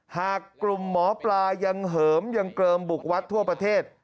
หากกลุ่มหมอปลายังเหิมยังเกลิมบุกวัดทั่วประเทศ